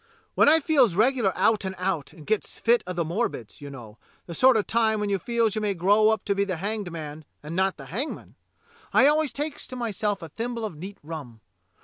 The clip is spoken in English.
When I feels regular out and out, and gets fits of the morbids, you know, the sort of time when you feels you may grow up to be the hanged man and not the hangman, I always takes to myself a thimble of neat rum.